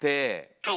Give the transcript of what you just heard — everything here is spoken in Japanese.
はい。